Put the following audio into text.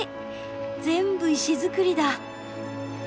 全部石造りだ。